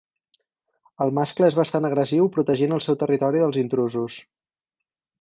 El mascle és bastant agressiu protegint el seu territori dels intrusos.